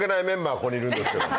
ここにいるんですけども。